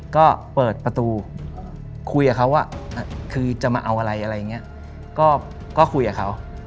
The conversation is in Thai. ก็เปิดประตูคุยกับเขาว่าคือจะมาเอาอะไรอะไรอย่างนี้ก็คุยกับเขา